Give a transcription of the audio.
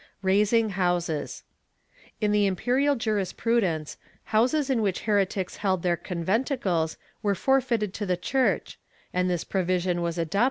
* RAZING HOUSES. In the imperial jurisprudence, houses in which heretics held their conventicles were forfeited to the Church and this provision * Archivo de Simancas, Inquisicion, Leg.